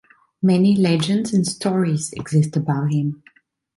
Many legends and stories exist about him.